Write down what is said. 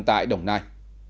tại đồng nai